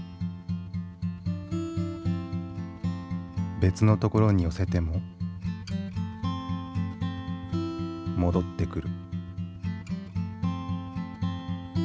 別の所に寄せても戻ってくる。